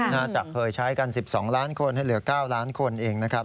น่าจะเคยใช้กัน๑๒ล้านคนให้เหลือ๙ล้านคนเองนะครับ